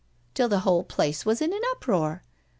* till the whole place was in an uproar.